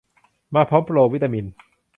มาพร้อมโปรวิตามิน